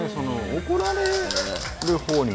怒られるほうにも。